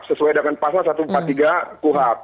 sesuai dengan pasal satu ratus empat puluh tiga kuhap